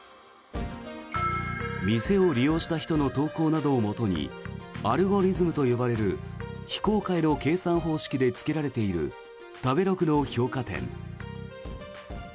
店を利用した人の投稿などをもとにアルゴリズムと呼ばれる非公開の計算方式でつけられている食べログの評価点。